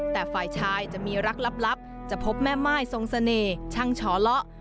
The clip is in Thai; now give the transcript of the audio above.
แต่ฝ่ายชายจะมีรักลับจะพบแม่ม่ายทรงเสน่ห์ช่างชอเลาะ